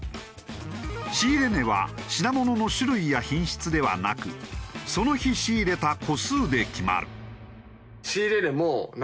仕入れ値は品物の種類や品質ではなくその日仕入れた個数で決まる。